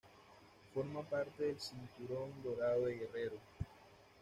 Forma parte del Cinturón Dorado de Guerrero.